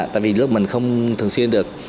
tại vì lúc mình không thường xuyên được